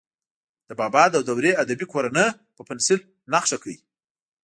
د بابا د دورې ادبي کورنۍ په پنسل نښه کړئ.